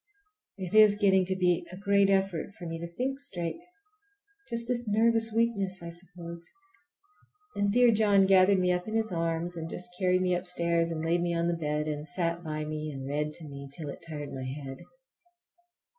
It is getting to be a great effort for me to think straight. Just this nervous weakness, I suppose. And dear John gathered me up in his arms, and just carried me upstairs and laid me on the bed, and sat by me and read to me till it tired my head.